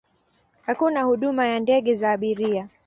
Hakuna huduma ya ndege za abiria.